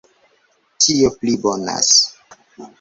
Tio pli bonas!